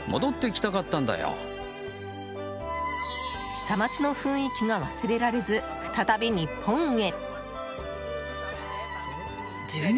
下町の雰囲気が忘れられず再び日本へ。